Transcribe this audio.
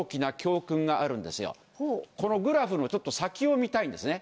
このグラフの先を見たいんですね。